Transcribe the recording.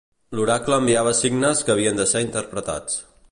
L'oracle enviava signes que havien de ser interpretats.